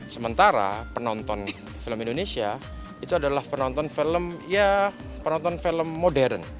sementara penonton film indonesia itu adalah penonton film modern